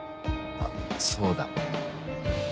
あそうだ。